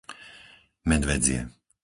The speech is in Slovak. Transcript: Medvedzie